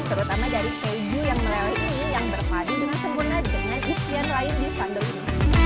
terutama dari keju yang meleleh ini yang berpadu dengan sempurna dengan isian lain di sando ini